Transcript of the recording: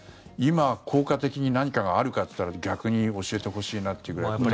今、効果的に何かがあるかといったら逆に教えてほしいなというぐらい。